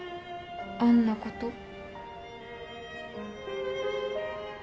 あんなこと？